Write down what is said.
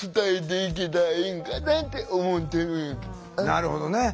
なるほどね。